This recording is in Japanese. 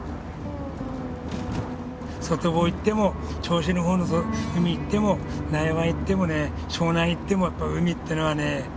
外房行っても銚子の方の海行っても内湾行ってもね湘南行ってもやっぱ海ってのはね飽きないですね。